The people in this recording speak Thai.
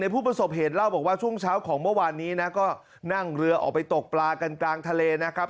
ผู้ประสบเหตุเล่าบอกว่าช่วงเช้าของเมื่อวานนี้นะก็นั่งเรือออกไปตกปลากันกลางทะเลนะครับ